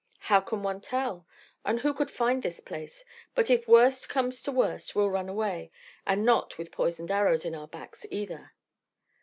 "How can one tell? And who could find this place? But if worst comes to worst we'll run away and not with poisoned arrows in our backs, either."